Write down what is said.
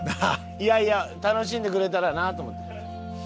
いやいや楽しんでくれたらなと思って。